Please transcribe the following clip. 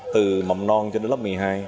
từ mậm non cho đến lớp một mươi hai